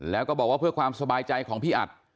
แล้วก็บอกว่าเพื่อความสบายใจของพี่อัด